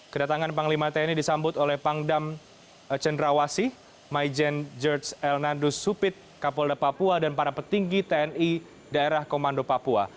kedatangan panglima tni disambut oleh pangdam cendrawasi maijen george elnandus supit kapolda papua dan para petinggi tni daerah komando papua